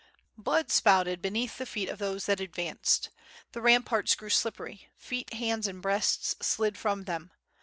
Blood spouted beneath the feet of those that advanced. The ram parts grew slippery; feet, hands, and breasts slid from them.